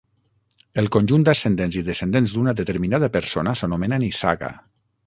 El conjunt d'ascendents i descendents d'una determinada persona s'anomena nissaga.